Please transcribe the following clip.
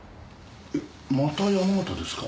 えっまた山形ですか？